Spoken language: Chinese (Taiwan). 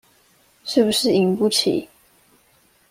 是不是贏不起